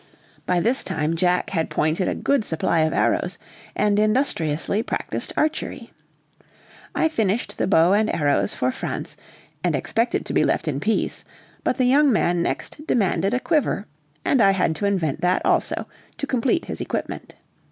By this time Jack had pointed a good supply of arrows, and industriously practiced archery. I finished the bow and arrows for Franz, and expected to be left in peace; but the young man next demanded a quiver, and I had to invent that also, to complete his equipment.